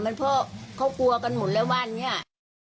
มันเพราะเขากลัวกันหมดแล้วว่าอย่างนี้